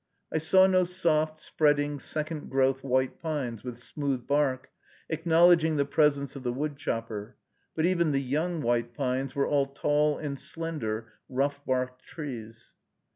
I saw no soft, spreading, second growth white pines, with smooth bark, acknowledging the presence of the woodchopper, but even the young white pines were all tall and slender rough barked trees.